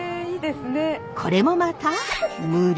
これもまた無料。